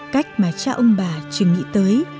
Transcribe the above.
cách mà cha ông bà chứng nghĩ tới